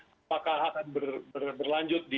apakah akan berlanjut di